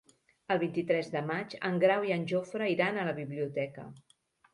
El vint-i-tres de maig en Grau i en Jofre iran a la biblioteca.